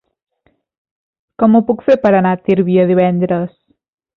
Com ho puc fer per anar a Tírvia divendres?